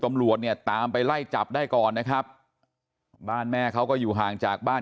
ตำรวจเนี่ยตามไปไล่จับได้ก่อนนะครับบ้านแม่เขาก็อยู่ห่างจากบ้าน